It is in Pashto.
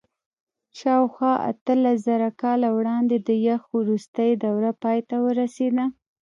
شاوخوا اتلسزره کاله وړاندې د یخ وروستۍ دوره پای ته ورسېده.